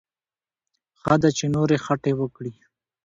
ښه ده چې نورې خټې وکړي.